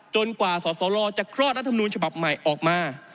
จนกว่าสอสรอจะเคราะห์รัฐมนูลฉบับใหม่ออกมา